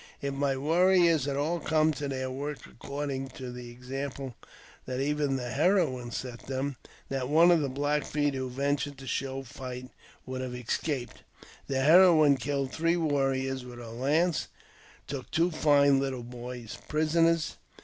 If my arriors had all come to their work according to the example. I Hia 296 AUTOBIOGBAPHY OF that even the heroine set them, not one of the Black Feet who ventured to show fight would have escaped. The heroine killed three warriors with her lance, and took two fine little boys prisoners.